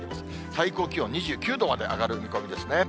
最高気温２９度まで上がる見込みですね。